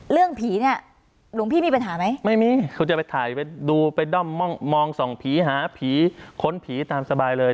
เรื่องผีเนี่ยหลวงพี่มีปัญหาไหมไม่มีคุณจะไปถ่ายไปดูไปด้อมมองส่องผีหาผีค้นผีตามสบายเลย